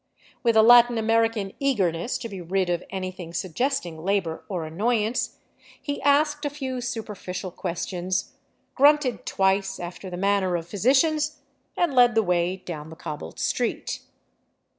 With a Latin American eagerness to be rid of anything suggesting labor or annoyance, he asked a few superficial questions, grunted twice after the manner of physicians, and led the way down the cob bled street.